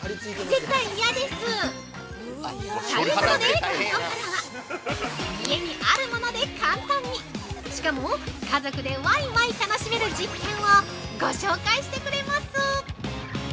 絶対嫌です！ということで、ここからは家にあるもので簡単にしかも、家族でワイワイ楽しめる実験をご紹介してくれます！